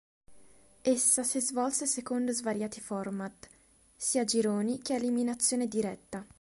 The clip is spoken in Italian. Essa si svolse secondo svariati format: sia a gironi che a eliminazione diretta.